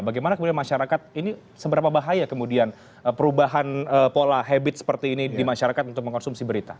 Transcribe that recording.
bagaimana kemudian masyarakat ini seberapa bahaya kemudian perubahan pola habit seperti ini di masyarakat untuk mengonsumsi berita